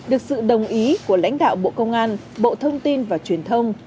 được sự đồng ý của lãnh đạo bộ công an bộ thông tin và truyền thông